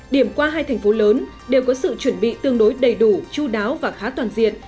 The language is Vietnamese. điểm qua hai thành phố lớn đều có sự chuẩn bị tương đối đầy đủ chú đáo và khá toàn diện